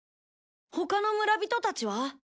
他の村人たちは？